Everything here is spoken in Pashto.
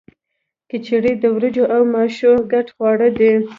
کچړي د وریجو او ماشو ګډ خواړه دي.